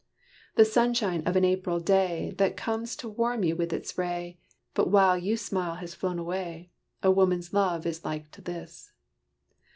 The sunshine of an April day That comes to warm you with its ray, But while you smile has flown away A woman's love is like to this.